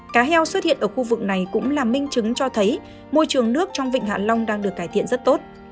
cá heo xuất hiện ở khu vực này cũng là minh chứng cho thấy môi trường nước trong vịnh hạ long đang được cải thiện rất tốt